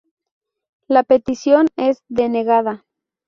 La petición es denegada.